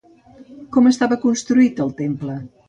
Com estava construït el temple?